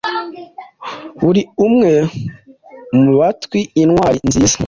Buri umwe mubatwiintwari-nziza